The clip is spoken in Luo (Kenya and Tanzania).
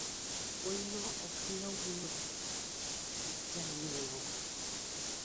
Wuoino okia wuoyo gi jang’iewo